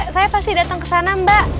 saya pasti dateng kesana mbak